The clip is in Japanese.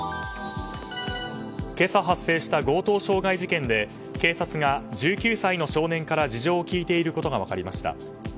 今朝発生した強盗傷害事件で警察が１９歳の少年から事情を聴いていることが分かりました。